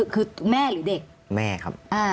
คือแม่หรือเด็กแม่ครับ